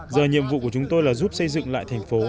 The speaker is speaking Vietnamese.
giờ nhiệm vụ của chúng tôi là giúp xây dựng lại thành phố